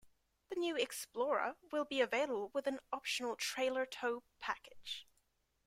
The new Explorer will be available with an optional trailer tow package.